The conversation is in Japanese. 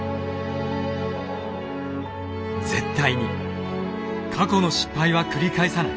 絶対に過去の失敗は繰り返さない。